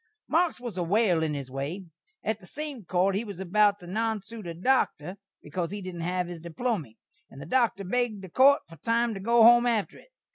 Marks was a whale in his way. At the same court he was about to nonsoot a Doktor bekaus he didn't hav his diplomy, and the Doktor begged the court for time to go home after it.